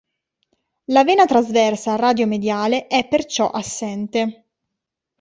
La vena trasversa radio-mediale è perciò assente.